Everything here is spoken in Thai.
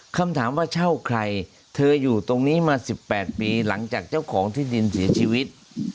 คำถามว่าเช่าใครเธออยู่ตรงนี้มา๑๘ปีหลังจากเจ้าของที่ดินเสียชีวิต